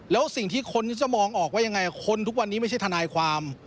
แล้วสิ่งที่คนที่จะมองออกว่ายังไงคนทุกวันนี้ไม่ใช่ทนายความ